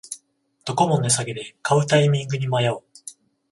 どこも値下げで買うタイミングに迷う